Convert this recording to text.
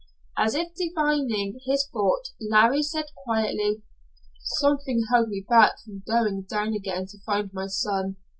As if divining his thought Larry said quietly: "Something held me back from going down again to find my son.